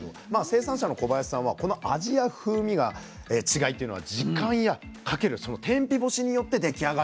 生産者の小林さんはこの味や風味の違いっていうのは時間やかける天日干しによって出来上がるんだと言ってましたね。